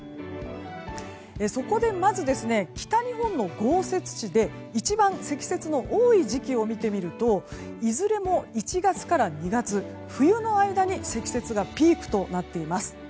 そこで、まず北日本の豪雪地で一番積雪の多い時期を見てみるといずれも１月から２月冬の間に積雪がピークとなっています。